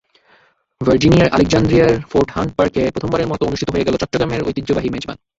ভার্জিনিয়ার আলেকজান্দ্রিয়ার Fort Hunt পার্কে প্রথমবারের মতো অনুষ্ঠিত হয়ে গেল চট্টগ্রামের ঐতিহ্যবাহী মেজবান।